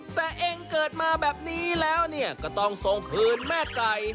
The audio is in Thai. แต่เองเกิดมาแบบนี้แล้วก็ต้องส่งคืนแม่ไก่